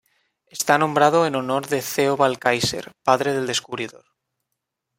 Está nombrado en honor de Theobald Kaiser, padre del descubridor.